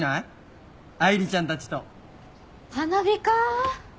花火か。